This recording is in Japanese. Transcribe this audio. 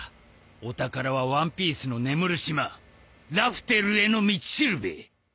お宝はワンピースの眠る島ラフテルへの道しるべ。